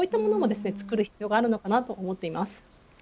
こういったものも作る必要があると思っています。